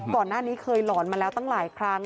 ก่อนหน้านี้เคยหลอนมาแล้วตั้งหลายครั้ง